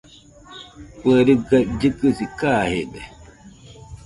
Kue riga llɨkɨsi kajede.